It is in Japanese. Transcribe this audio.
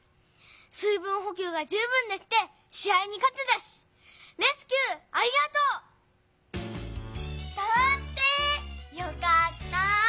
水分ほきゅうが十分できてし合にかてたしレスキューありがとう！だって！よかった！